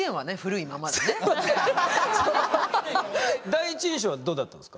第一印象はどうだったんですか？